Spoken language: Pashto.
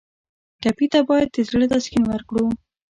ټپي ته باید د زړه تسکین ورکړو.